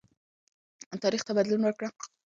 تاریخ ته بدلون ورکړه.